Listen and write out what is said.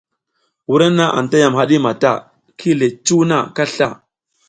Wurenna anta yam haɗi mata, ki yi le cuw na kasla.